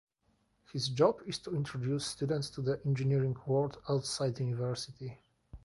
His job is to introduce students to the engineering world outside university.